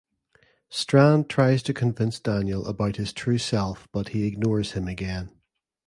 Strand tries to convince Daniel about his true self but he ignores him again.